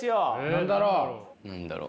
何だろう？